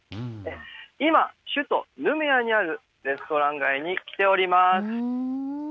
今、首都ヌメアにあるレストラン街に来ております。